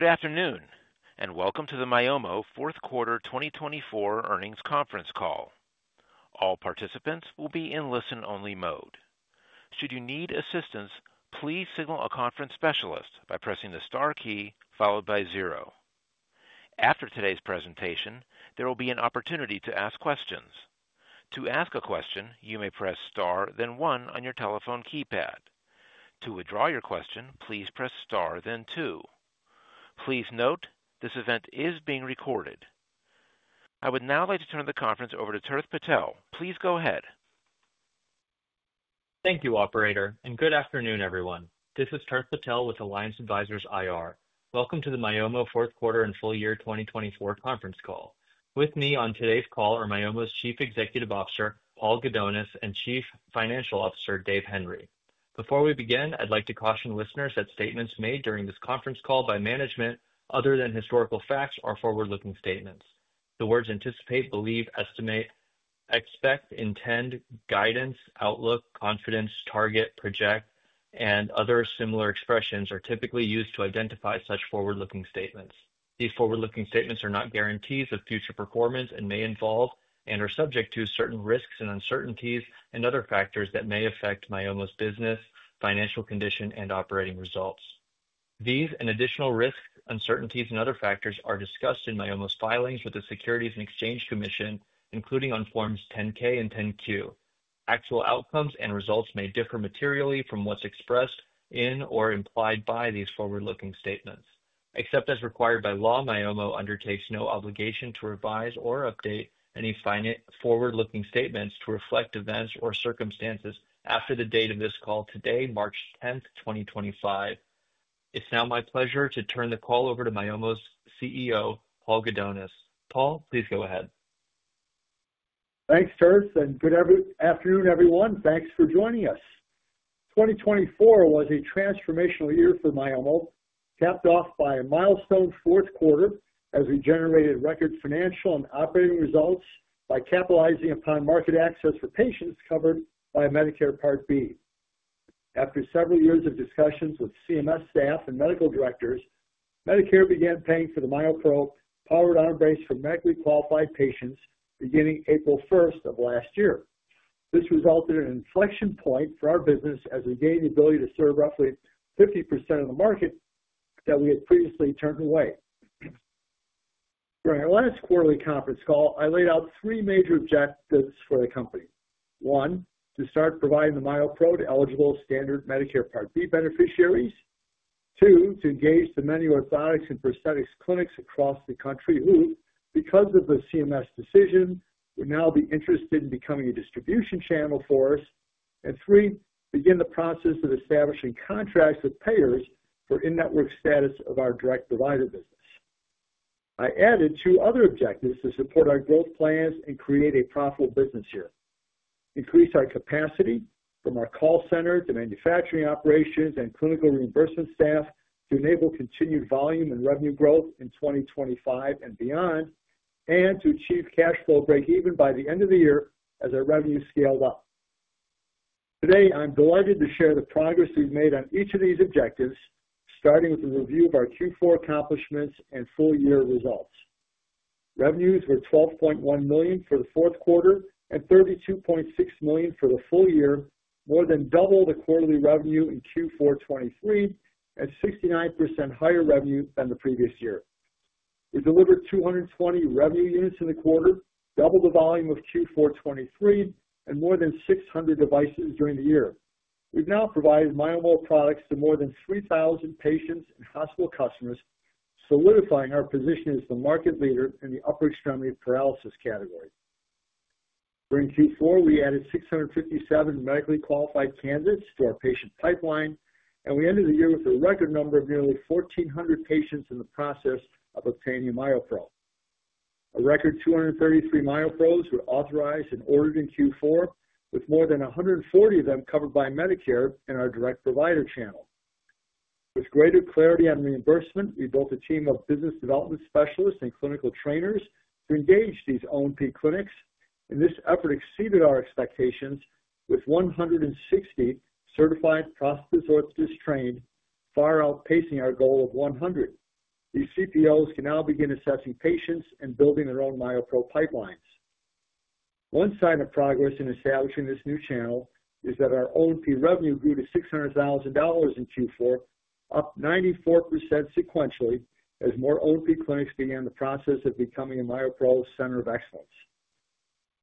Good afternoon, and welcome to the Myomo fourth quarter 2024 earnings conference call. All participants will be in listen-only mode. Should you need assistance, please signal a conference specialist by pressing the star key followed by zero. After today's presentation, there will be an opportunity to ask questions. To ask a question, you may press star, then one on your telephone keypad. To withdraw your question, please press star, then two. Please note, this event is being recorded. I would now like to turn the conference over to Tirth Patel. Please go ahead. Thank you, Operator, and good afternoon, everyone. This is Tirth Patel with Alliance Advisors IR. Welcome to the Myomo fourth quarter and full year 2024 conference call. With me on today's call are Myomo's Chief Executive Officer, Paul Gudonis, and Chief Financial Officer, Dave Henry. Before we begin, I'd like to caution listeners that statements made during this conference call by management other than historical facts are forward-looking statements. The words anticipate, believe, estimate, expect, intend, guidance, outlook, confidence, target, project, and other similar expressions are typically used to identify such forward-looking statements. These forward-looking statements are not guarantees of future performance and may involve and are subject to certain risks and uncertainties and other factors that may affect Myomo's business, financial condition, and operating results. These and additional risks, uncertainties, and other factors are discussed in Myomo's filings with the Securities and Exchange Commission, including on Forms 10-K and 10-Q. Actual outcomes and results may differ materially from what's expressed in or implied by these forward-looking statements. Except as required by law, Myomo undertakes no obligation to revise or update any forward-looking statements to reflect events or circumstances after the date of this call today, March 10th, 2025. It's now my pleasure to turn the call over to Myomo's CEO, Paul Gudonis. Paul, please go ahead. Thanks, Tirth, and good afternoon, everyone. Thanks for joining us. 2024 was a transformational year for Myomo, capped off by a milestone fourth quarter as we generated record financial and operating results by capitalizing upon market access for patients covered by Medicare Part B. After several years of discussions with CMS staff and medical directors, Medicare began paying for the MyoPro powered arm brace for medically qualified patients beginning April 1st of last year. This resulted in an inflection point for our business as we gained the ability to serve roughly 50% of the market that we had previously turned away. During our last quarterly conference call, I laid out three major objectives for the company. One, to start providing the MyoPro to eligible standard Medicare Part B beneficiaries. Two, to engage the many orthotics and prosthetics clinics across the country who, because of the CMS decision, would now be interested in becoming a distribution channel for us. Three, begin the process of establishing contracts with payers for in-network status of our direct provider business. I added two other objectives to support our growth plans and create a profitable business year. Increase our capacity from our call center to manufacturing operations and clinical reimbursement staff to enable continued volume and revenue growth in 2025 and beyond, and to achieve cash flow break-even by the end of the year as our revenue scaled up. Today, I'm delighted to share the progress we've made on each of these objectives, starting with a review of our Q4 accomplishments and full year results. Revenues were $12.1 million for the fourth quarter and $32.6 million for the full year, more than double the quarterly revenue in Q4 2023, and 69% higher revenue than the previous year. We delivered 220 revenue units in the quarter, doubled the volume of Q4 2023, and more than 600 devices during the year. We've now provided Myomo products to more than 3,000 patients and hospital customers, solidifying our position as the market leader in the upper extremity paralysis category. During Q4, we added 657 medically qualified candidates to our patient pipeline, and we ended the year with a record number of nearly 1,400 patients in the process of obtaining a MyoPro. A record 233 MyoPros were authorized and ordered in Q4, with more than 140 of them covered by Medicare in our direct provider channel. With greater clarity on reimbursement, we built a team of business development specialists and clinical trainers to engage these O&P clinics, and this effort exceeded our expectations with 160 certified prosthetist trained, far outpacing our goal of 100. These CPOs can now begin assessing patients and building their own MyoPro pipelines. One sign of progress in establishing this new channel is that our O&P revenue grew to $600,000 in Q4, up 94% sequentially as more O&P clinics began the process of becoming a MyoPro center of excellence.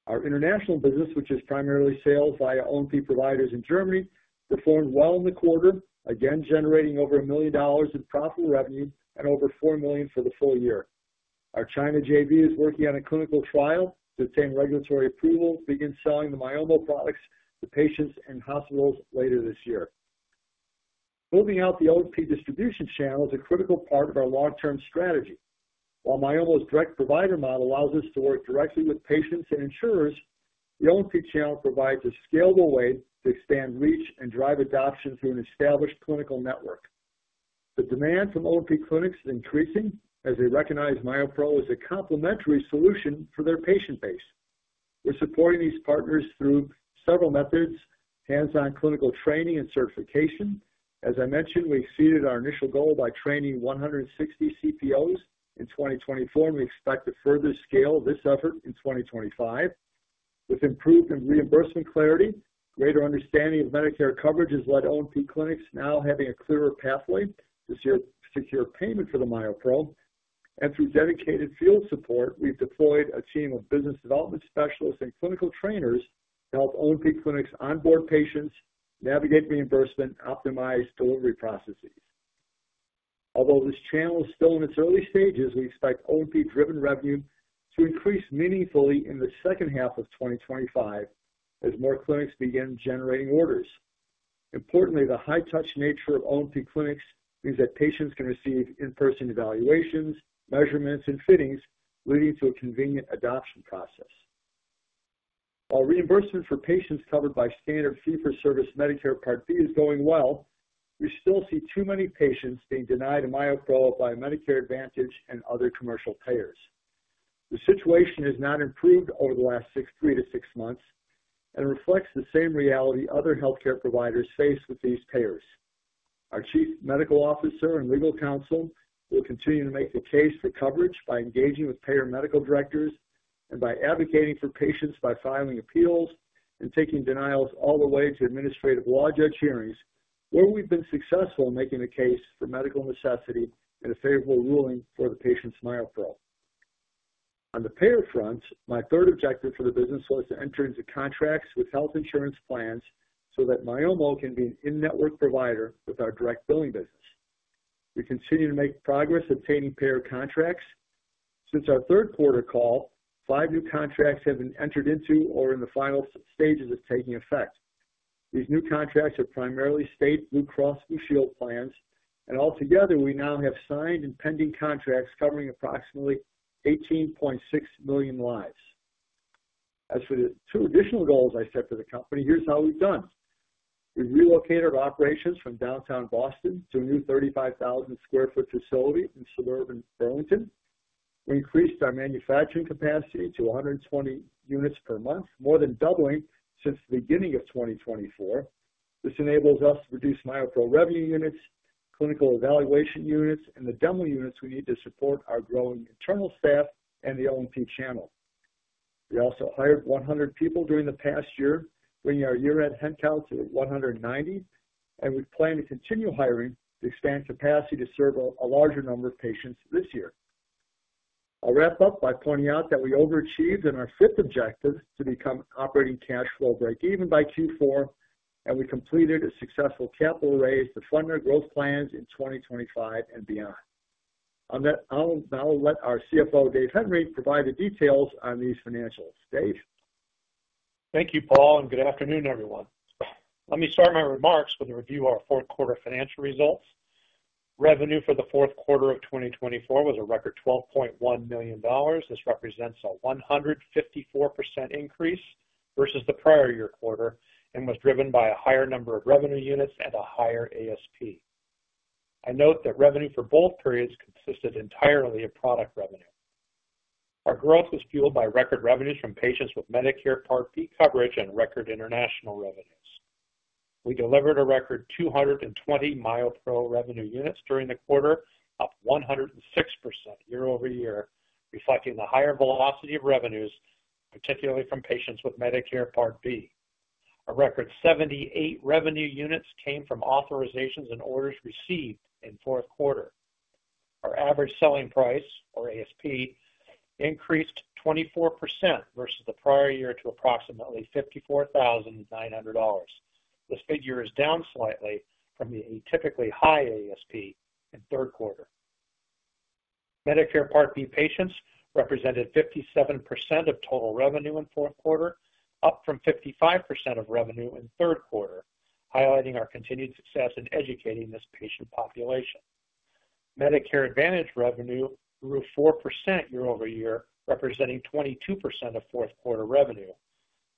Our international business, which is primarily sales via O&P providers in Germany, performed well in the quarter, again generating over $1 million in profitable revenue and over $4 million for the full year. Our China JV is working on a clinical trial to obtain regulatory approval to begin selling the Myomo products to patients and hospitals later this year. Building out the O&P distribution channel is a critical part of our long-term strategy. While Myomo's direct provider model allows us to work directly with patients and insurers, the O&P channel provides a scalable way to expand reach and drive adoption through an established clinical network. The demand from O&P clinics is increasing as they recognize MyoPro as a complementary solution for their patient base. We're supporting these partners through several methods, hands-on clinical training, and certification. As I mentioned, we exceeded our initial goal by training 160 CPOs in 2024, and we expect to further scale this effort in 2025. With improved reimbursement clarity, greater understanding of Medicare coverage has led O&P clinics now to have a clearer pathway to secure payment for the MyoPro, and through dedicated field support, we've deployed a team of business development specialists and clinical trainers to help O&P clinics onboard patients, navigate reimbursement, and optimize delivery processes. Although this channel is still in its early stages, we expect O&P-driven revenue to increase meaningfully in the second half of 2025 as more clinics begin generating orders. Importantly, the high-touch nature of O&P clinics means that patients can receive in-person evaluations, measurements, and fittings, leading to a convenient adoption process. While reimbursement for patients covered by standard fee-for-service Medicare Part B is going well, we still see too many patients being denied a MyoPro by Medicare Advantage and other commercial payers. The situation has not improved over the last three to six months and reflects the same reality other healthcare providers face with these payers. Our Chief Medical Officer and Legal Counsel will continue to make the case for coverage by engaging with payer medical directors and by advocating for patients by filing appeals and taking denials all the way to Administrative Law Judge hearings, where we've been successful in making a case for medical necessity and a favorable ruling for the patient's MyoPro. On the payer front, my third objective for the business was to enter into contracts with health insurance plans so that Myomo can be an in-network provider with our direct billing business. We continue to make progress obtaining payer contracts. Since our third quarter call, five new contracts have been entered into or in the final stages of taking effect. These new contracts are primarily state Blue Cross Blue Shield plans, and altogether, we now have signed and pending contracts covering approximately 18.6 million lives. As for the two additional goals I set for the company, here's how we've done. We've relocated our operations from downtown Boston to a new 35,000 sq ft facility in suburban Burlington. We increased our manufacturing capacity to 120 units per month, more than doubling since the beginning of 2024. This enables us to produce MyoPro revenue units, clinical evaluation units, and the demo units we need to support our growing internal staff and the O&P channel. We also hired 100 people during the past year, bringing our year-end headcount to 190, and we plan to continue hiring to expand capacity to serve a larger number of patients this year. I'll wrap up by pointing out that we overachieved in our fifth objective to become operating cash flow break-even by Q4, and we completed a successful capital raise to fund our growth plans in 2025 and beyond. I'll now let our CFO, Dave Henry, provide the details on these financials. Dave. Thank you, Paul, and good afternoon, everyone. Let me start my remarks with a review of our fourth quarter financial results. Revenue for the fourth quarter of 2024 was a record $12.1 million. This represents a 154% increase versus the prior year quarter and was driven by a higher number of revenue units and a higher ASP. I note that revenue for both periods consisted entirely of product revenue. Our growth was fueled by record revenues from patients with Medicare Part B coverage and record international revenues. We delivered a record 220 MyoPro revenue units during the quarter, up 106% year-over-year, reflecting the higher velocity of revenues, particularly from patients with Medicare Part B. Our record 78 revenue units came from authorizations and orders received in fourth quarter. Our average selling price, or ASP, increased 24% versus the prior year to approximately $54,900. This figure is down slightly from the typically high ASP in third quarter. Medicare Part B patients represented 57% of total revenue in fourth quarter, up from 55% of revenue in third quarter, highlighting our continued success in educating this patient population. Medicare Advantage revenue grew 4% year-over-year, representing 22% of fourth quarter revenue,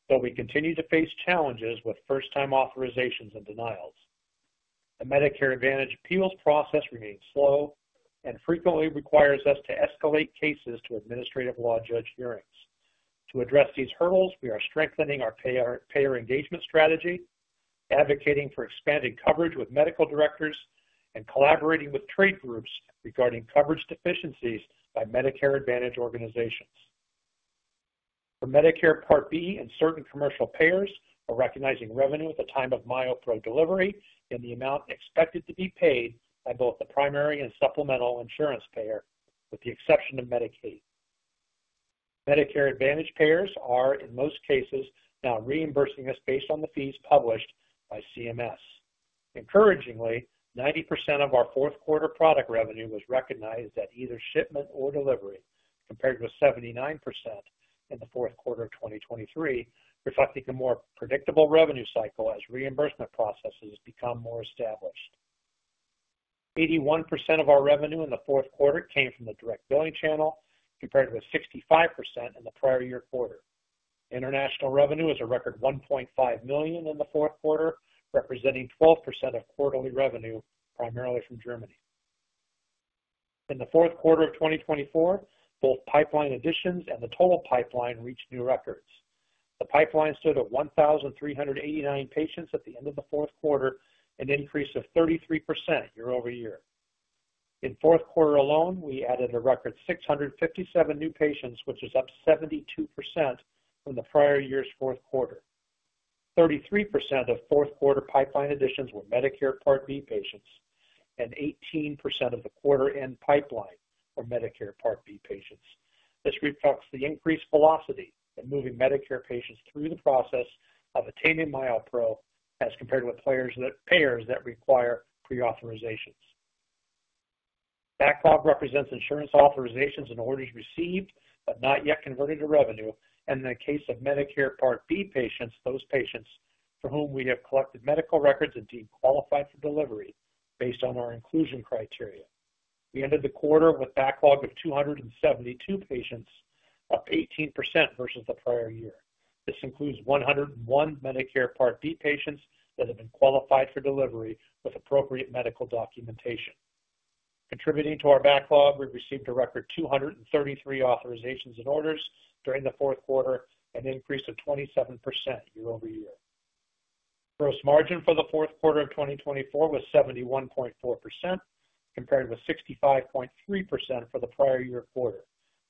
though we continue to face challenges with first-time authorizations and denials. The Medicare Advantage appeals process remains slow and frequently requires us to escalate cases to Administrative Law Judge hearings. To address these hurdles, we are strengthening our payer engagement strategy, advocating for expanded coverage with medical directors, and collaborating with trade groups regarding coverage deficiencies by Medicare Advantage organizations. For Medicare Part B and certain commercial payers, we're recognizing revenue at the time of MyoPro delivery in the amount expected to be paid by both the primary and supplemental insurance payer, with the exception of Medicaid. Medicare Advantage payers are, in most cases, now reimbursing us based on the fees published by CMS. Encouragingly, 90% of our fourth quarter product revenue was recognized at either shipment or delivery, compared with 79% in the fourth quarter of 2023, reflecting a more predictable revenue cycle as reimbursement processes become more established. 81% of our revenue in the fourth quarter came from the direct billing channel, compared with 65% in the prior year quarter. International revenue was a record $1.5 million in the fourth quarter, representing 12% of quarterly revenue, primarily from Germany. In the fourth quarter of 2024, both pipeline additions and the total pipeline reached new records. The pipeline stood at 1,389 patients at the end of the fourth quarter, an increase of 33% year-over-year. In fourth quarter alone, we added a record 657 new patients, which is up 72% from the prior year's fourth quarter. 33% of fourth quarter pipeline additions were Medicare Part B patients, and 18% of the quarter-end pipeline were Medicare Part B patients. This reflects the increased velocity in moving Medicare patients through the process of obtaining MyoPro as compared with payers that require pre-authorizations. Backlog represents insurance authorizations and orders received but not yet converted to revenue, and in the case of Medicare Part B patients, those patients for whom we have collected medical records and deemed qualified for delivery based on our inclusion criteria. We ended the quarter with a backlog of 272 patients, up 18% versus the prior year. This includes 101 Medicare Part B patients that have been qualified for delivery with appropriate medical documentation. Contributing to our backlog, we received a record 233 authorizations and orders during the fourth quarter, an increase of 27% year-over-year. Gross margin for the fourth quarter of 2024 was 71.4%, compared with 65.3% for the prior year quarter.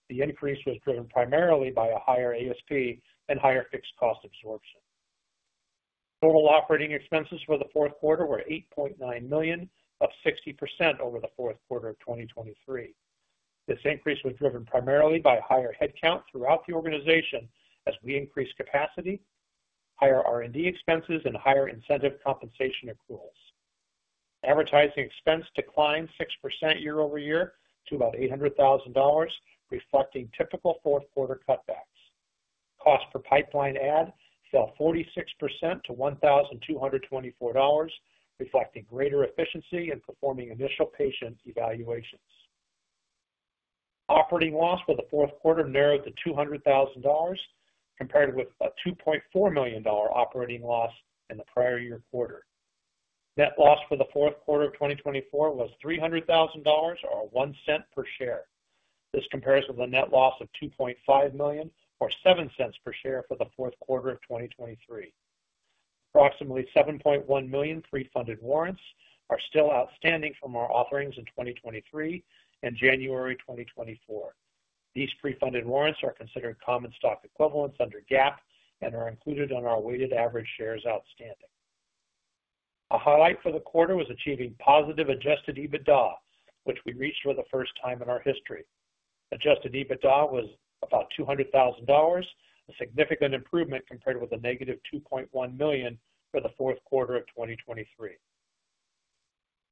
The increase was driven primarily by a higher ASP and higher fixed cost absorption. Total operating expenses for the fourth quarter were $8.9 million, up 60% over the fourth quarter of 2023. This increase was driven primarily by a higher headcount throughout the organization as we increased capacity, higher R&D expenses, and higher incentive compensation accruals. Advertising expense declined 6% year-over-year to about $800,000, reflecting typical fourth quarter cutbacks. Cost per pipeline add fell 46% to $1,224, reflecting greater efficiency in performing initial patient evaluations. Operating loss for the fourth quarter narrowed to $200,000, compared with a $2.4 million operating loss in the prior year quarter. Net loss for the fourth quarter of 2024 was $300,000, or $0.01 per share. This compares with a net loss of $2.5 million, or $0.07 per share for the fourth quarter of 2023. Approximately 7.1 million pre-funded warrants are still outstanding from our offerings in 2023 and January 2024. These pre-funded warrants are considered common stock equivalents under GAAP and are included on our weighted average shares outstanding. A highlight for the quarter was achieving positive Adjusted EBITDA, which we reached for the first time in our history. Adjusted EBITDA was about $200,000, a significant improvement compared with a -$2.1 million for the fourth quarter of 2023.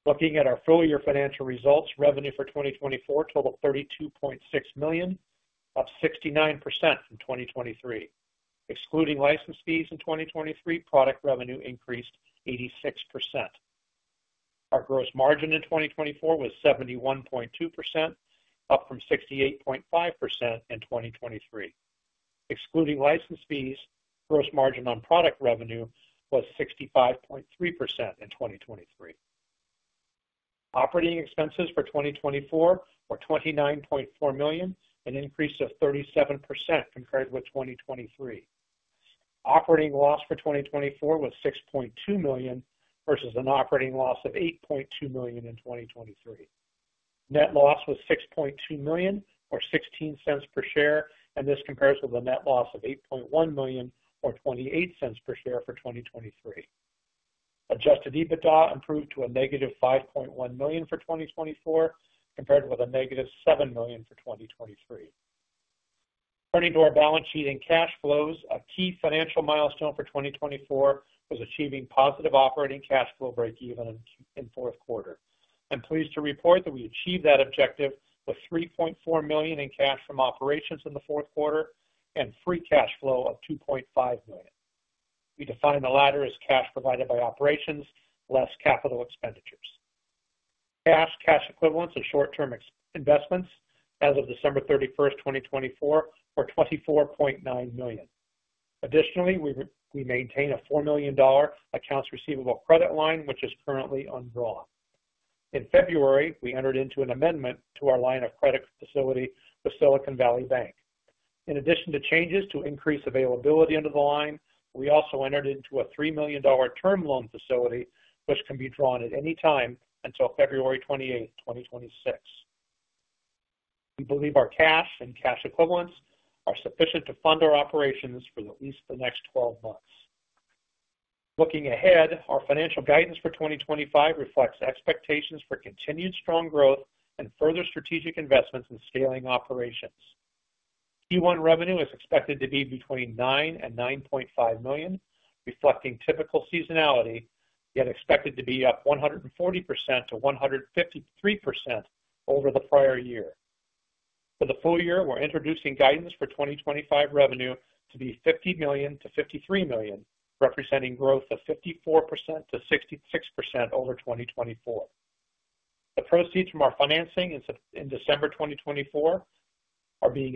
Looking at our full year financial results, revenue for 2024 totaled $32.6 million, up 69% from 2023. Excluding license fees in 2023, product revenue increased 86%. Our gross margin in 2024 was 71.2%, up from 68.5% in 2023. Excluding license fees, gross margin on product revenue was 65.3% in 2023. Operating expenses for 2024 were $29.4 million, an increase of 37% compared with 2023. Operating loss for 2024 was $6.2 million versus an operating loss of $8.2 million in 2023. Net loss was $6.2 million, or $0.16 per share, and this compares with a net loss of $8.1 million, or $0.28 per share for 2023. Adjusted EBITDA improved to a -$5.1 million for 2024, compared with a -$7 million for 2023. Turning to our balance sheet and cash flows, a key financial milestone for 2024 was achieving positive operating cash flow break-even in fourth quarter. I'm pleased to report that we achieved that objective with $3.4 million in cash from operations in the fourth quarter and free cash flow of $2.5 million. We define the latter as cash provided by operations less capital expenditures. Cash, cash equivalents and short-term investments as of December 31st, 2024, were $24.9 million. Additionally, we maintain a $4 million accounts receivable credit line, which is currently on draw. In February, we entered into an amendment to our line of credit facility with Silicon Valley Bank. In addition to changes to increase availability under the line, we also entered into a $3 million term loan facility, which can be drawn at any time until February 28, 2026. We believe our cash and cash equivalents are sufficient to fund our operations for at least the next 12 months. Looking ahead, our financial guidance for 2025 reflects expectations for continued strong growth and further strategic investments in scaling operations. Q1 revenue is expected to be between $9 million and $9.5 million, reflecting typical seasonality, yet expected to be up 140%-153% over the prior year. For the full year, we're introducing guidance for 2025 revenue to be $50 million-$53 million, representing growth of 54%-66% over 2024. The proceeds from our financing in December 2024 are being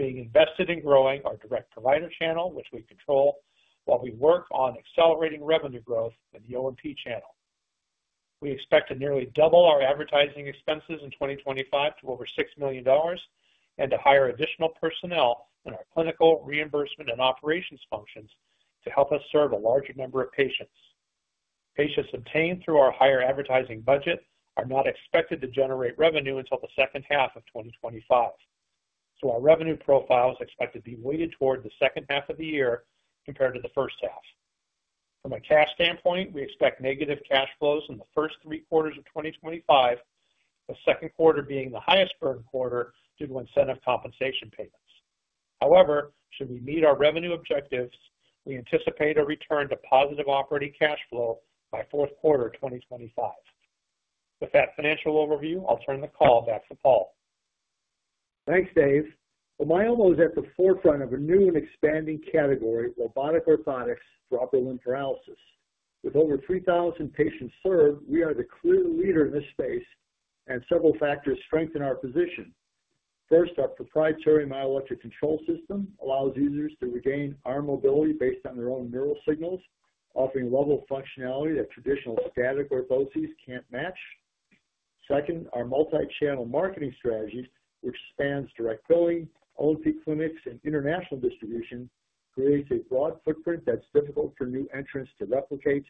invested in growing our direct provider channel, which we control while we work on accelerating revenue growth in the O&P channel. We expect to nearly double our advertising expenses in 2025 to over $6 million and to hire additional personnel in our clinical, reimbursement, and operations functions to help us serve a larger number of patients. Patients obtained through our higher advertising budget are not expected to generate revenue until the second half of 2025. Our revenue profile is expected to be weighted toward the second half of the year compared to the first half. From a cash standpoint, we expect negative cash flows in the first three quarters of 2025, the second quarter being the highest burn quarter due to incentive compensation payments. However, should we meet our revenue objectives, we anticipate a return to positive operating cash flow by fourth quarter 2025. With that financial overview, I'll turn the call back to Paul. Thanks, Dave. Myomo is at the forefront of a new and expanding category, robotic orthotics for upper limb paralysis. With over 3,000 patients served, we are the clear leader in this space, and several factors strengthen our position. First, our proprietary myoelectric control system allows users to regain arm mobility based on their own neural signals, offering level functionality that traditional static orthoses can't match. Second, our multi-channel marketing strategy, which spans direct billing, O&P clinics, and international distribution, creates a broad footprint that's difficult for new entrants to replicate.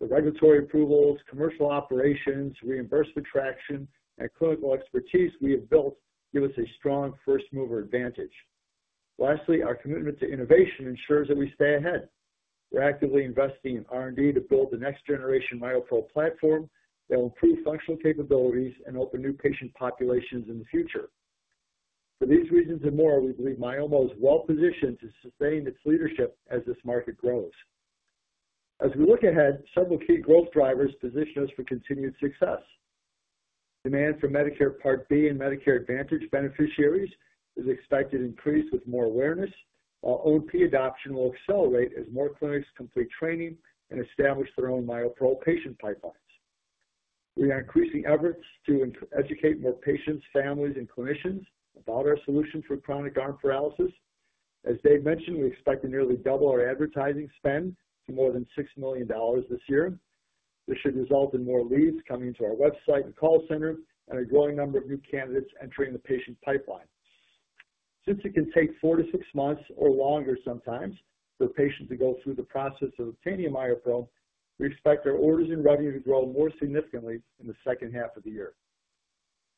The regulatory approvals, commercial operations, reimbursement traction, and clinical expertise we have built give us a strong first-mover advantage. Lastly, our commitment to innovation ensures that we stay ahead. We're actively investing in R&D to build the next-generation MyoPro platform that will improve functional capabilities and open new patient populations in the future. For these reasons and more, we believe Myomo is well-positioned to sustain its leadership as this market grows. As we look ahead, several key growth drivers position us for continued success. Demand for Medicare Part B and Medicare Advantage beneficiaries is expected to increase with more awareness, while O&P adoption will accelerate as more clinics complete training and establish their own MyoPro patient pipelines. We are increasing efforts to educate more patients, families, and clinicians about our solution for chronic arm paralysis. As Dave mentioned, we expect to nearly double our advertising spend to more than $6 million this year. This should result in more leads coming to our website and call centers and a growing number of new candidates entering the patient pipeline. Since it can take four to six months or longer sometimes for a patient to go through the process of obtaining a MyoPro, we expect our orders and revenue to grow more significantly in the second half of the year.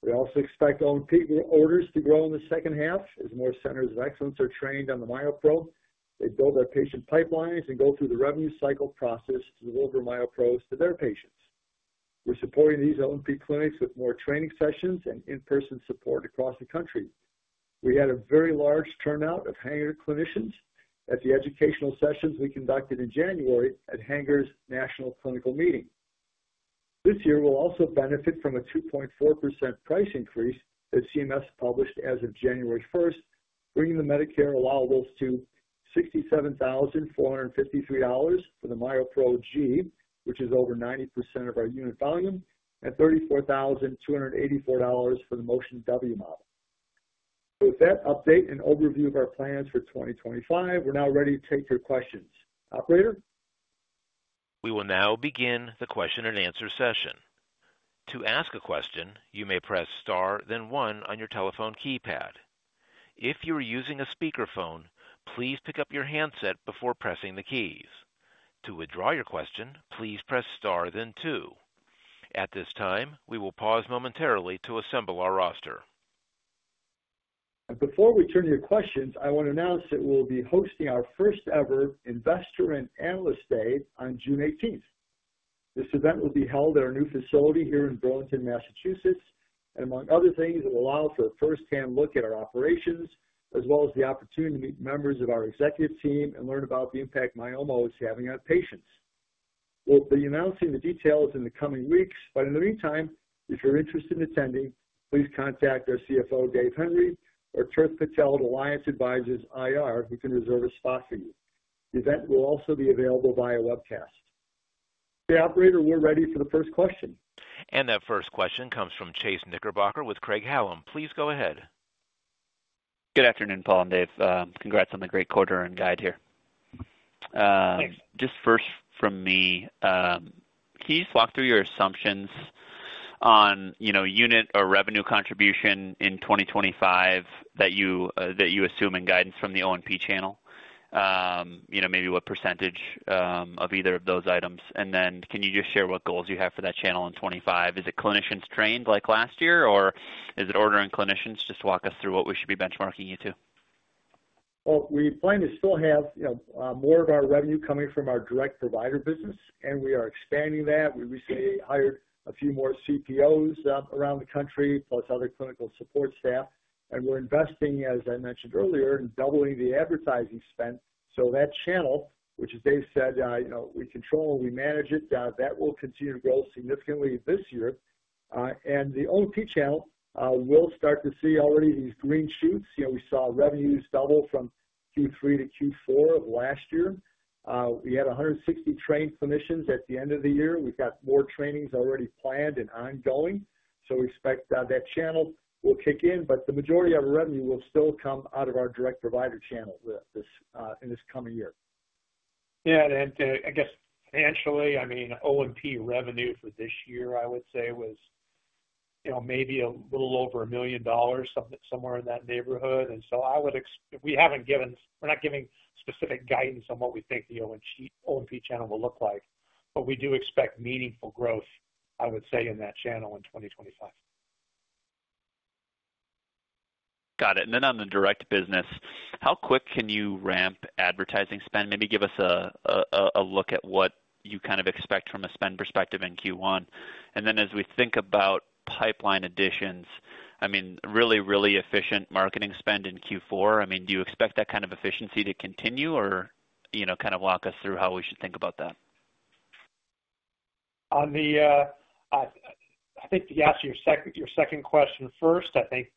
We also expect O&P orders to grow in the second half as more centers of excellence are trained on the MyoPro. They build their patient pipelines and go through the revenue cycle process to deliver MyoPros to their patients. We're supporting these O&P clinics with more training sessions and in-person support across the country. We had a very large turnout of Hanger clinicians at the educational sessions we conducted in January at Hanger's National Clinical Meeting. This year, we'll also benefit from a 2.4% price increase that CMS published as of January 1st, bringing the Medicare allowables to $67,453 for the MyoPro G, which is over 90% of our unit volume, and $34,284 for the Motion W model. With that update and overview of our plans for 2025, we're now ready to take your questions. Operator? We will now begin the question-and-answer session. To ask a question, you may press star, then one on your telephone keypad. If you are using a speakerphone, please pick up your handset before pressing the keys. To withdraw your question, please press star, then two. At this time, we will pause momentarily to assemble our roster. Before we turn to your questions, I want to announce that we'll be hosting our first-ever Investor and Analyst Day on June 18th. This event will be held at our new facility here in Burlington, Massachusetts, and among other things, it will allow for a firsthand look at our operations, as well as the opportunity to meet members of our executive team and learn about the impact Myomo is having on patients. We'll be announcing the details in the coming weeks, but in the meantime, if you're interested in attending, please contact our CFO, Dave Henry, or Tirth Patel at Alliance Advisors IR, who can reserve a spot for you. The event will also be available via webcast. Hey, Operator, we're ready for the first question. That first question comes from Chase Knickerbocker with Craig-Hallum. Please go ahead. Good afternoon, Paul and Dave. Congrats on the great quarter and guide here. Thanks. Just first from me, can you just walk through your assumptions on unit or revenue contribution in 2025 that you assume in guidance from the O&P channel? Maybe what percentage of either of those items? And then can you just share what goals you have for that channel in 2025? Is it clinicians trained like last year, or is it ordering clinicians? Just walk us through what we should be benchmarking you to. We plan to still have more of our revenue coming from our direct provider business, and we are expanding that. We recently hired a few more CPOs around the country, plus other clinical support staff. We are investing, as I mentioned earlier, in doubling the advertising spend. That channel, which, as Dave said, we control and we manage it, will continue to grow significantly this year. The O&P channel will start to see already these green shoots. We saw revenues double from Q3 to Q4 of last year. We had 160 trained clinicians at the end of the year. We have more trainings already planned and ongoing. We expect that channel will kick in, but the majority of our revenue will still come out of our direct provider channel in this coming year. Yeah. I guess financially, I mean, O&P revenue for this year, I would say, was maybe a little over $1 million, somewhere in that neighborhood. I would expect we haven't given, we're not giving specific guidance on what we think the O&P channel will look like, but we do expect meaningful growth, I would say, in that channel in 2025. Got it. On the direct business, how quick can you ramp advertising spend? Maybe give us a look at what you kind of expect from a spend perspective in Q1. As we think about pipeline additions, I mean, really, really efficient marketing spend in Q4. I mean, do you expect that kind of efficiency to continue or kind of walk us through how we should think about that? I think to answer your second question first, I think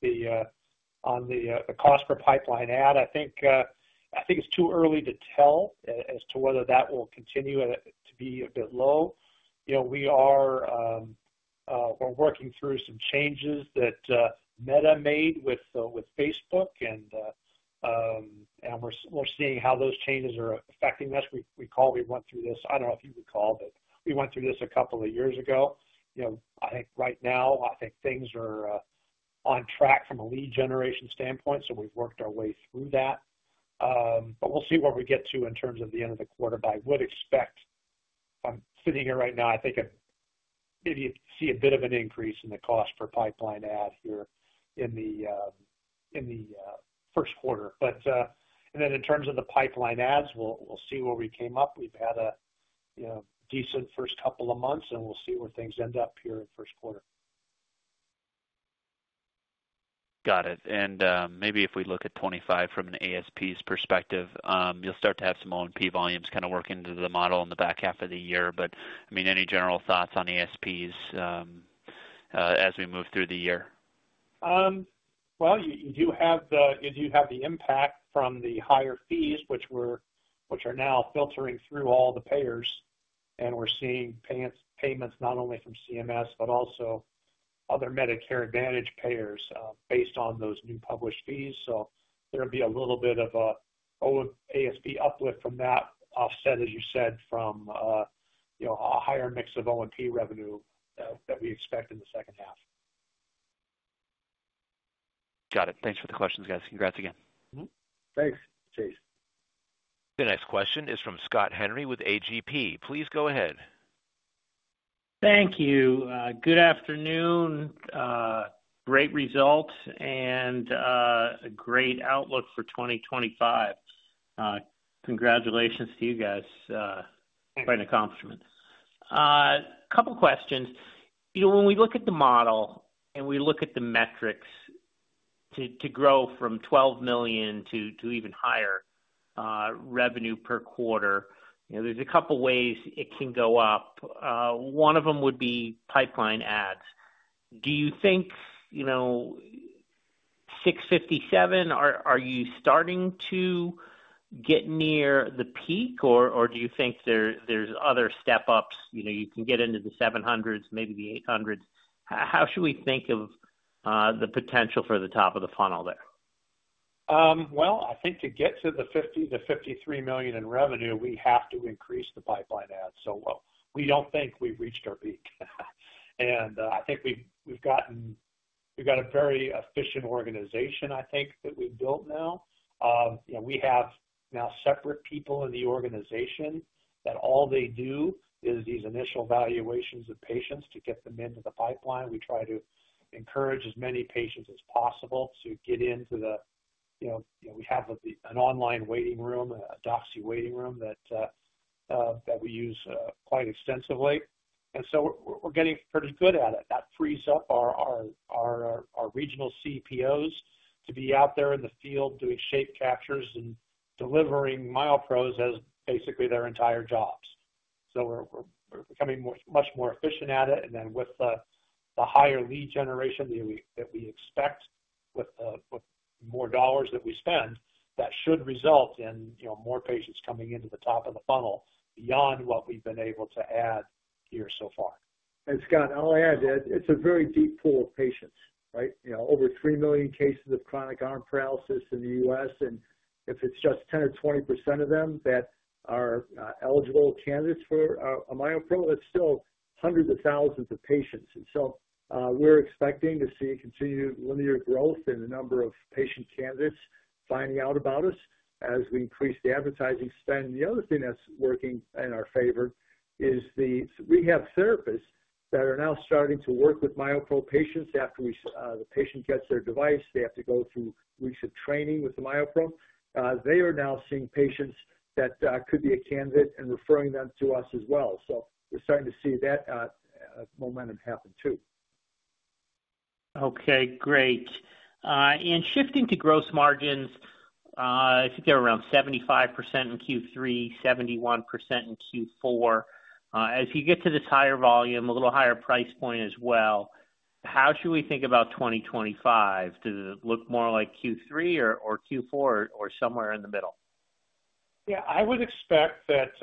on the cost per pipeline add, I think it's too early to tell as to whether that will continue to be a bit low. We're working through some changes that Meta made with Facebook, and we're seeing how those changes are affecting us. I recall we went through this. I don't know if you recall, but we went through this a couple of years ago. I think right now, I think things are on track from a lead generation standpoint, so we've worked our way through that. We'll see where we get to in terms of the end of the quarter. I would expect, if I'm sitting here right now, I think maybe see a bit of an increase in the cost per pipeline add here in the first quarter. In terms of the pipeline adds, we'll see where we came up. We've had a decent first couple of months, and we'll see where things end up here in first quarter. Got it. Maybe if we look at 2025 from an ASP's perspective, you'll start to have some O&P volumes kind of work into the model in the back half of the year. I mean, any general thoughts on ASPs as we move through the year? You do have the impact from the higher fees, which are now filtering through all the payers, and we're seeing payments not only from CMS, but also other Medicare Advantage payers based on those new published fees. There will be a little bit of an ASP uplift from that offset, as you said, from a higher mix of O&P revenue that we expect in the second half. Got it. Thanks for the questions, guys. Congrats again. Thanks. Cheers. The next question is from Scott Henry with AGP. Please go ahead. Thank you. Good afternoon. Great results and a great outlook for 2025. Congratulations to you guys. Quite an accomplishment. A couple of questions. When we look at the model and we look at the metrics to grow from $12 million to even higher revenue per quarter, there's a couple of ways it can go up. One of them would be pipeline adds. Do you think 657, are you starting to get near the peak, or do you think there's other step-ups? You can get into the 700s, maybe the 800s. How should we think of the potential for the top of the funnel there? I think to get to the $50 million-$53 million in revenue, we have to increase the pipeline adds. We do not think we've reached our peak. I think we've got a very efficient organization that we've built now. We have now separate people in the organization that all they do is these initial evaluations of patients to get them into the pipeline. We try to encourage as many patients as possible to get into the, we have an online waiting room, a Doxy waiting room that we use quite extensively. We are getting pretty good at it. That frees up our regional CPOs to be out there in the field doing shape captures and delivering MyoPros as basically their entire jobs. We are becoming much more efficient at it. With the higher lead generation that we expect with more dollars that we spend, that should result in more patients coming into the top of the funnel beyond what we've been able to add here so far. Scott, I'll add, it's a very deep pool of patients, right? Over 3 million cases of chronic arm paralysis in the U.S. If it's just 10% or 20% of them that are eligible candidates for a MyoPro, it's still hundreds of thousands of patients. We are expecting to see continued linear growth in the number of patient candidates finding out about us as we increase the advertising spend. The other thing that's working in our favor is the rehab therapists that are now starting to work with MyoPro patients. After the patient gets their device, they have to go through weeks of training with the MyoPro. They are now seeing patients that could be a candidate and referring them to us as well. We are starting to see that momentum happen too. Okay. Great. Shifting to gross margins, I think they're around 75% in Q3, 71% in Q4. As you get to this higher volume, a little higher price point as well, how should we think about 2025? Does it look more like Q3 or Q4 or somewhere in the middle? Yeah. I would expect that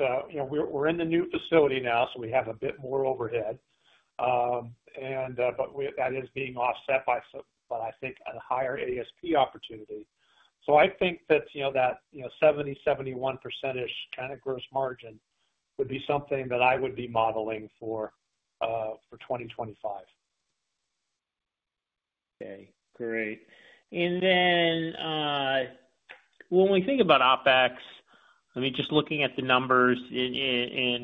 we're in the new facility now, so we have a bit more overhead. That is being offset by, I think, a higher ASP opportunity. I think that that 70%-71% kind of gross margin would be something that I would be modeling for 2025. Okay. Great. I mean, just looking at the numbers and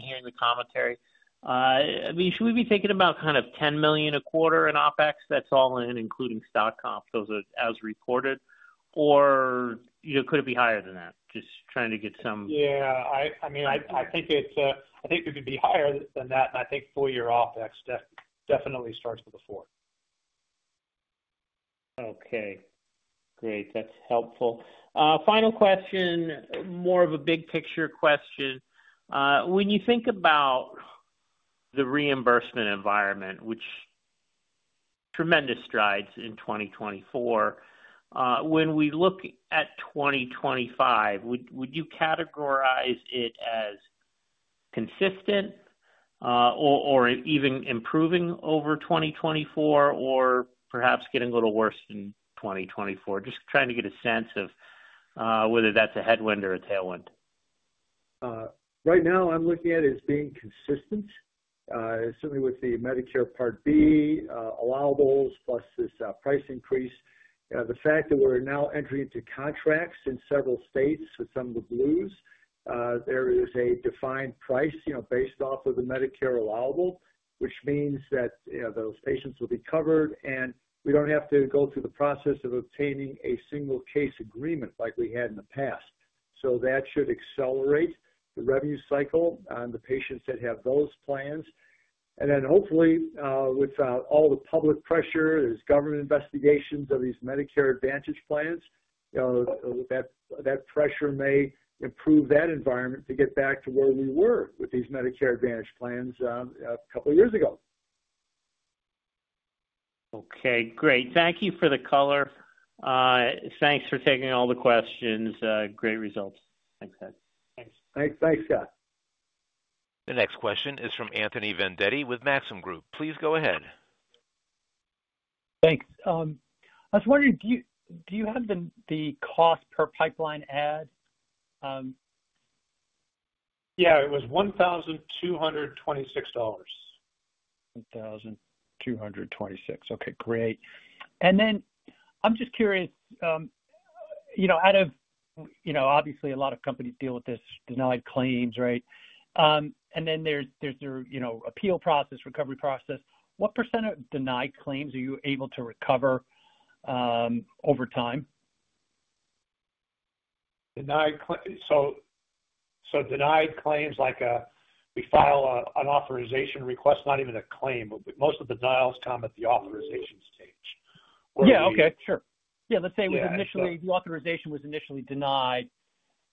hearing the commentary, I mean, should we be thinking about kind of $10 million a quarter in OpEx? That's all in, including stock comp, as reported. Or could it be higher than that? Just trying to get some. Yeah. I mean, I think it could be higher than that. I think four-year OpEx definitely starts with a four. Okay. Great. That's helpful. Final question, more of a big picture question. When you think about the reimbursement environment, which tremendous strides in 2024, when we look at 2025, would you categorize it as consistent or even improving over 2024, or perhaps getting a little worse in 2024? Just trying to get a sense of whether that's a headwind or a tailwind. Right now, I'm looking at it as being consistent, certainly with the Medicare Part B allowables plus this price increase. The fact that we're now entering into contracts in several states with some of the blues, there is a defined price based off of the Medicare allowable, which means that those patients will be covered. We don't have to go through the process of obtaining a single case agreement like we had in the past. That should accelerate the revenue cycle on the patients that have those plans. Hopefully, with all the public pressure, there's government investigations of these Medicare Advantage plans, that pressure may improve that environment to get back to where we were with these Medicare Advantage plans a couple of years ago. Okay. Great. Thank you for the color. Thanks for taking all the questions. Great results. Thanks, guys. Thanks. Thanks, Scott. The next question is from Anthony Vendetti with Maxim Group. Please go ahead. Thanks. I was wondering, do you have the cost per pipeline add? Yeah. It was $1,226. $1,226. Okay. Great. I am just curious, out of obviously, a lot of companies deal with this denied claims, right? There is their appeal process, recovery process. What percent of denied claims are you able to recover over time? Denied claims, like we file an authorization request, not even a claim, but most of the denials come at the authorization stage. Yeah. Okay. Sure. Yeah. Let's say the authorization was initially denied,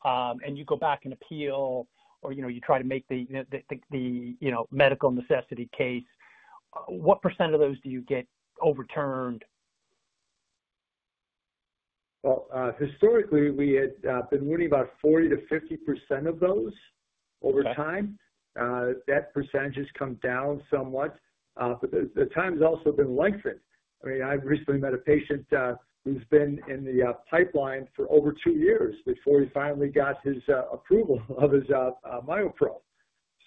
and you go back and appeal, or you try to make the medical necessity case. What percent of those do you get overturned? Historically, we had been winning about 40%-50% of those over time. That percentage has come down somewhat. The time has also been lengthened. I mean, I recently met a patient who's been in the pipeline for over two years before he finally got his approval of his MyoPro.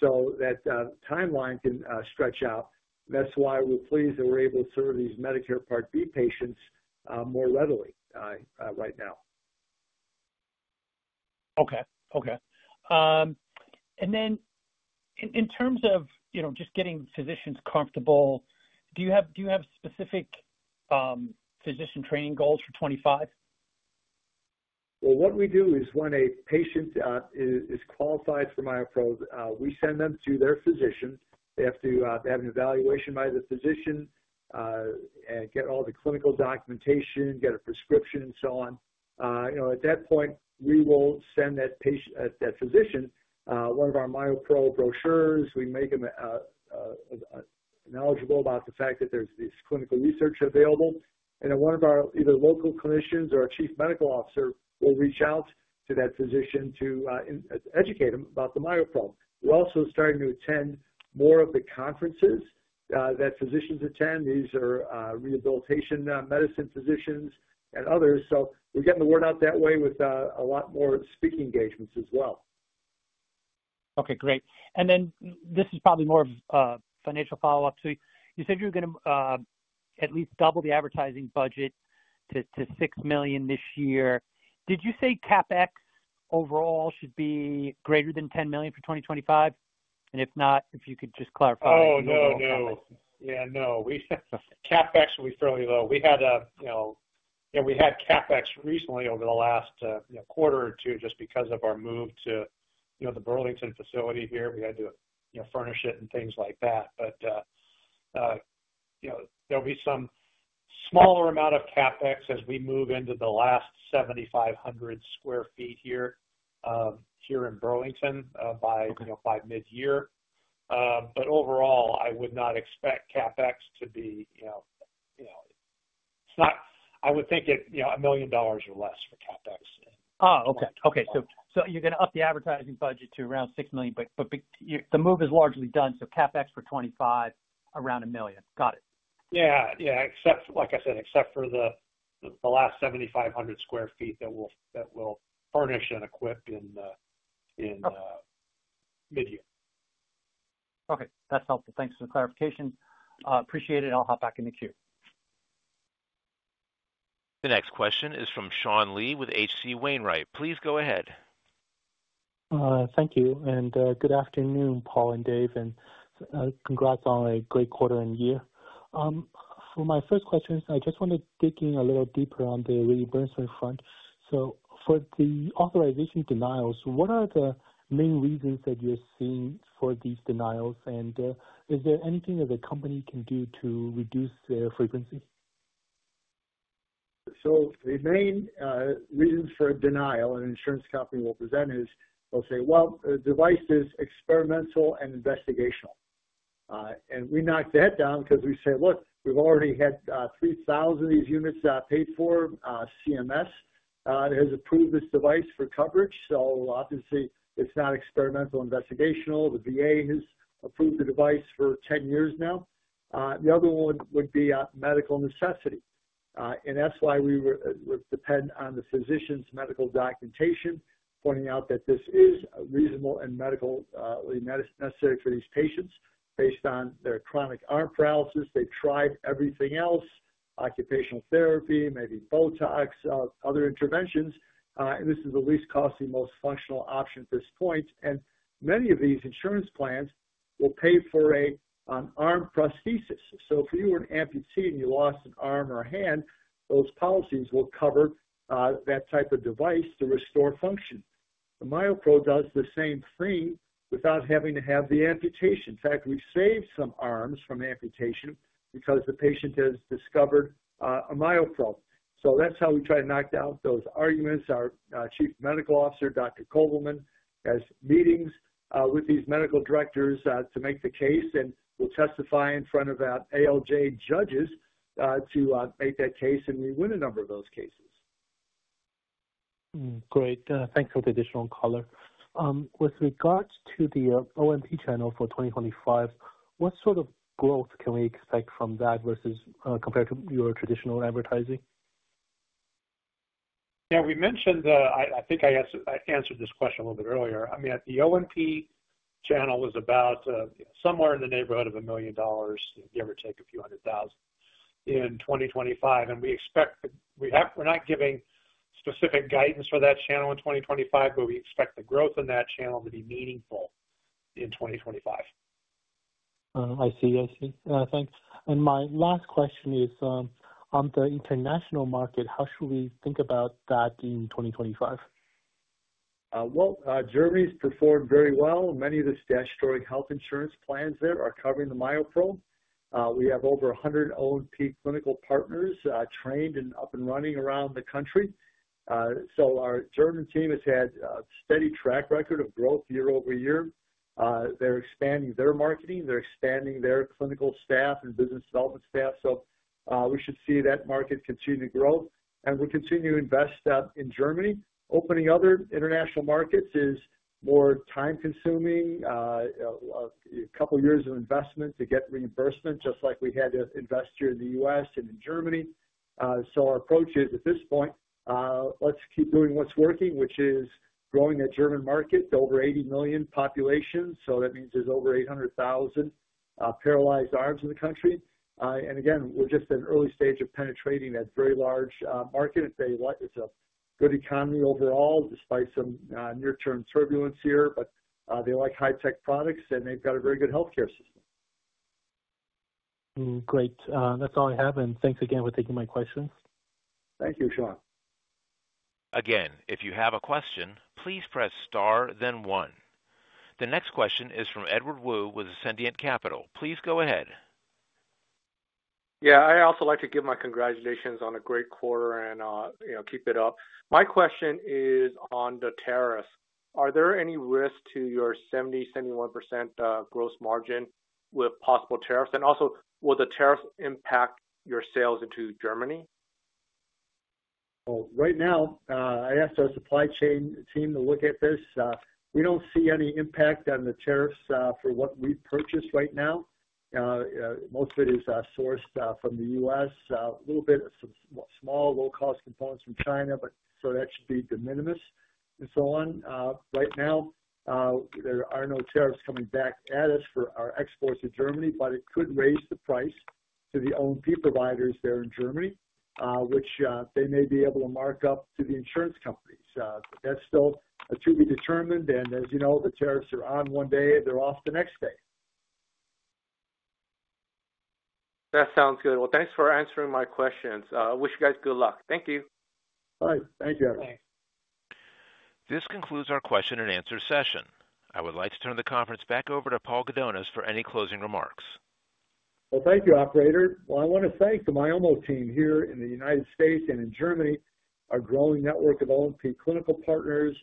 That timeline can stretch out. That's why we're pleased that we're able to serve these Medicare Part B patients more readily right now. Okay. Okay. In terms of just getting physicians comfortable, do you have specific physician training goals for 2025? What we do is when a patient is qualified for MyoPro, we send them to their physician. They have to have an evaluation by the physician and get all the clinical documentation, get a prescription, and so on. At that point, we will send that physician one of our MyoPro brochures. We make them knowledgeable about the fact that there's this clinical research available. Then one of our either local clinicians or a Chief Medical Officer will reach out to that physician to educate them about the MyoPro. We're also starting to attend more of the conferences that physicians attend. These are rehabilitation medicine physicians and others. We are getting the word out that way with a lot more speaking engagements as well. Okay. Great. This is probably more of a financial follow-up. You said you're going to at least double the advertising budget to $6 million this year. Did you say CapEx overall should be greater than $10 million for 2025? If not, if you could just clarify. Oh, no, no. Yeah, no. CapEx will be fairly low. We had CapEx recently over the last quarter or two just because of our move to the Burlington facility here. We had to furnish it and things like that. There will be some smaller amount of CapEx as we move into the last 7,500 sq ft here in Burlington by mid-year. Overall, I would not expect CapEx to be, I would think, $1 million or less for CapEx. Oh, okay. Okay. You're going to up the advertising budget to around $6 million, but the move is largely done. CapEx for 2025, around $1 million. Got it. Yeah. Yeah. Like I said, except for the last 7,500 sq ft that we'll furnish and equip in mid-year. Okay. That's helpful. Thanks for the clarification. Appreciate it. I'll hop back in the queue. The next question is from Sean Lee with H.C. Wainwright. Please go ahead. Thank you. And good afternoon, Paul and Dave. And congrats on a great quarter and year. For my first question, I just want to dig in a little deeper on the reimbursement front. For the authorization denials, what are the main reasons that you're seeing for these denials? And is there anything that the company can do to reduce their frequency? The main reasons for a denial an insurance company will present is they'll say, "Well, the device is experimental and investigational." We knock the head down because we say, "Look, we've already had 3,000 of these units paid for. CMS has approved this device for coverage." Obviously, it's not experimental investigational. The VA has approved the device for 10 years now. The other one would be medical necessity. That's why we would depend on the physician's medical documentation, pointing out that this is reasonable and medically necessary for these patients based on their chronic arm paralysis. They've tried everything else: occupational therapy, maybe Botox, other interventions. This is the least costly, most functional option at this point. Many of these insurance plans will pay for an arm prosthesis. If you were an amputee and you lost an arm or a hand, those policies will cover that type of device to restore function. The MyoPro does the same thing without having to have the amputation. In fact, we've saved some arms from amputation because the patient has discovered a MyoPro. That's how we try to knock down those arguments. Our Chief Medical Officer, Dr. Kovelman, has meetings with these medical directors to make the case. We testify in front of ALJ judges to make that case. We win a number of those cases. Great. Thanks for the additional color. With regards to the O&P channel for 2025, what sort of growth can we expect from that versus compared to your traditional advertising? Yeah. I think I answered this question a little bit earlier. I mean, the O&P channel was about somewhere in the neighborhood of $1 million, give or take a few hundred thousand, in 2025. And we expect that we're not giving specific guidance for that channel in 2025, but we expect the growth in that channel to be meaningful in 2025. I see. I see. Thanks. My last question is, on the international market, how should we think about that in 2025? Germany's performed very well. Many of the statutory health insurance plans there are covering the MyoPro. We have over 100 O&P clinical partners trained and up and running around the country. Our German team has had a steady track record of growth year-over-year. They're expanding their marketing. They're expanding their clinical staff and business development staff. We should see that market continue to grow. We'll continue to invest in Germany. Opening other international markets is more time-consuming, a couple of years of investment to get reimbursement, just like we had to invest here in the U.S. and in Germany. Our approach is, at this point, let's keep doing what's working, which is growing the German market to over 80 million population. That means there's over 800,000 paralyzed arms in the country. We are just at an early stage of penetrating that very large market. It is a good economy overall, despite some near-term turbulence here. They like high-tech products, and they have a very good healthcare system. Great. That is all I have. Thanks again for taking my questions. Thank you, Sean. Again, if you have a question, please press star, then one. The next question is from Edward Woo with Ascendiant Capital. Please go ahead. Yeah. I also like to give my congratulations on a great quarter and keep it up. My question is on the tariffs. Are there any risks to your 70%-71% gross margin with possible tariffs? Also, will the tariffs impact your sales into Germany? Right now, I asked our supply chain team to look at this. We do not see any impact on the tariffs for what we purchase right now. Most of it is sourced from the US, a little bit of some small low-cost components from China, so that should be de minimis and so on. Right now, there are no tariffs coming back at us for our exports to Germany. It could raise the price to the O&P providers there in Germany, which they may be able to mark up to the insurance companies. That is still to be determined. As you know, the tariffs are on one day; they are off the next day. That sounds good. Thanks for answering my questions. I wish you guys good luck. Thank you. All right. Thank you, guys. Thanks. This concludes our question and answer session. I would like to turn the conference back over to Paul Gudonis for any closing remarks. Thank you, operator. I want to thank the Myomo team here in the United States and in Germany, our growing network of O&P clinical partners,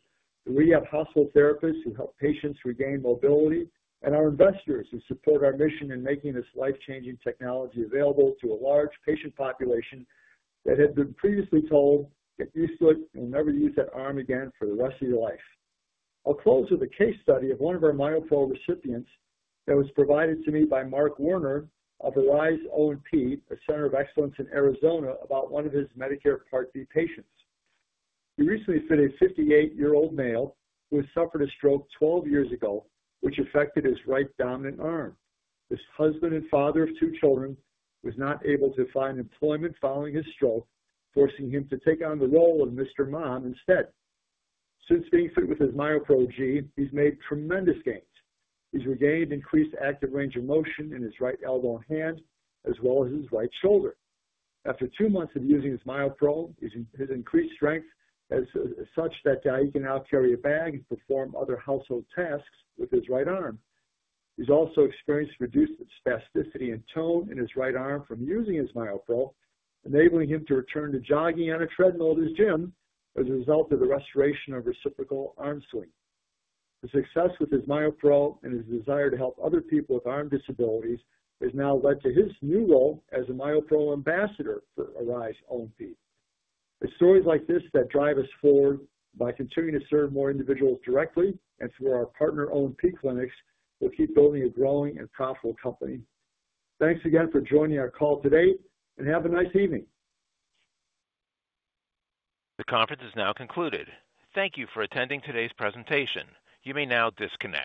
the rehab hospital therapists who help patients regain mobility, and our investors who support our mission in making this life-changing technology available to a large patient population that had been previously told, "Get used to it and you'll never use that arm again for the rest of your life." I'll close with a case study of one of our MyoPro recipients that was provided to me by Mark Warner of Arise O&P, a center of excellence in Arizona, about one of his Medicare Part B patients. He recently fit a 58-year-old male who had suffered a stroke 12 years ago, which affected his right dominant arm. His husband and father of two children was not able to find employment following his stroke, forcing him to take on the role of Mr. Mom instead. Since being fit with his MyoPro G, he's made tremendous gains. He's regained increased active range of motion in his right elbow and hand, as well as his right shoulder. After two months of using his MyoPro, his increased strength is such that he can now carry a bag and perform other household tasks with his right arm. He's also experienced reduced spasticity and tone in his right arm from using his MyoPro, enabling him to return to jogging on a treadmill at his gym as a result of the restoration of reciprocal arm swing. The success with his MyoPro and his desire to help other people with arm disabilities has now led to his new role as a MyoPro ambassador for Arise O&P. It's stories like this that drive us forward by continuing to serve more individuals directly and through our partner O&P clinics. We'll keep building a growing and profitable company. Thanks again for joining our call today, and have a nice evening. The conference is now concluded. Thank you for attending today's presentation. You may now disconnect.